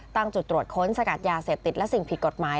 ตั้งจุดตรวจค้นสกัดยาเสพติดและสิ่งผิดกฎหมาย